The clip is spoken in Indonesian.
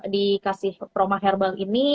dikasih promah herbal ini